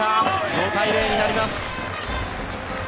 ５対０になります。